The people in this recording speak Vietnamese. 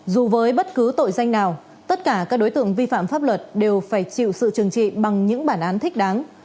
dù với bất cứ tội danh nào tất cả các đối tượng vi phạm pháp luật đều phải chịu sự trừng trị bằng những bản án thích đáng